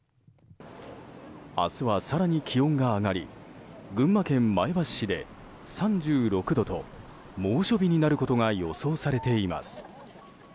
明日は更に気温が上がり群馬県前橋市で３６度と猛暑日になることが予想されています。